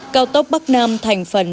cao tốc bắc nam thành phần